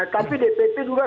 tapi dpp juga